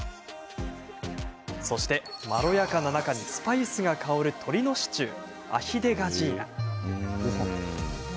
そして、まろやかな中にスパイスが香る、鶏のシチューアヒ・デ・ガジーナ。